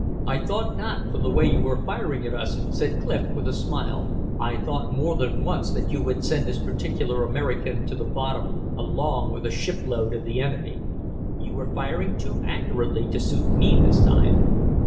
"I thought not, from the way you were firing at us," said Clif, with a smile. "I thought more than once that you would send this particular American to the bottom along with the shipload of the enemy. You were firing too accurately to suit me this time."